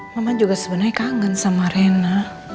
mama juga sebenarnya kangen sama rena